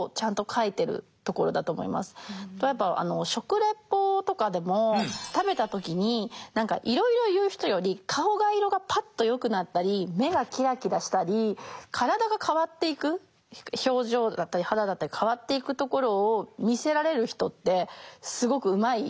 芙美子の食の描写が見事だなと思うのは彼女がやっぱ食レポとかでも食べた時に何かいろいろ言う人より顔色がパッと良くなったり目がキラキラしたり体が変わっていく表情だったり肌だったり変わっていくところを見せられる人ってすごくうまいじゃないですか。